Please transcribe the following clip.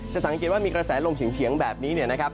สังเกตว่ามีกระแสลมเฉียงแบบนี้เนี่ยนะครับ